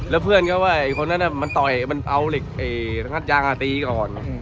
แล้วเพื่อนเขาก็ว่าอีกคนน่ะมันต่อหายบนเตาเหล็กอย่างอ่ะตีก่อน